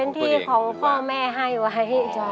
ที่ของพ่อแม่ให้ไว้